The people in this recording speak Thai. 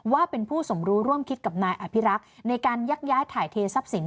ว่าเป็นผู้สมรู้ร่วมคิดกับนายอภิรักษ์ในการยักย้ายถ่ายเททรัพย์สิน